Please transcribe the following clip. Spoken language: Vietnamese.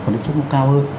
cái tiếp xúc nó cao hơn